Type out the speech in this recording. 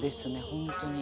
本当に。